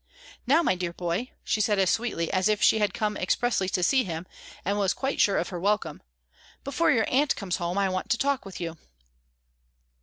"Now, my dear boy," she said as sweetly as if she had come expressly to see him, and was quite sure of her welcome, "before your aunt comes home, I want to talk with you."